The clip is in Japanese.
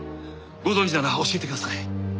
ご存じなら教えてください。